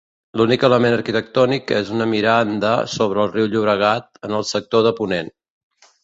L'únic element arquitectònic és una miranda sobre el riu Llobregat en el sector de ponent.